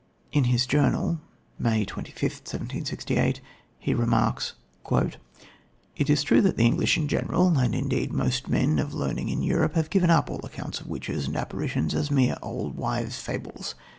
In his journal (May 25th, 1768) he remarks: "It is true that the English in general, and indeed most of the men of learning in Europe, have given up all accounts of witches and apparitions, as mere old wives' fables.